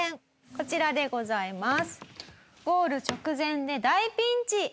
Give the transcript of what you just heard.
こちらでございます。